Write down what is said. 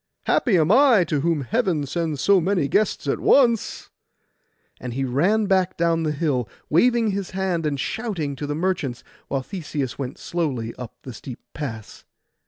Happy am I, to whom Heaven sends so many guests at once!' And he ran back down the hill, waving his hand and shouting, to the merchants, while Theseus went slowly up the steep pass.